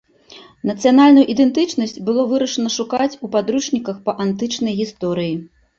Нацыянальную ідэнтычнасць было вырашана шукаць у падручніках па антычнай гісторыі.